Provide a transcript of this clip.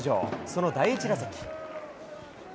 その第１打席。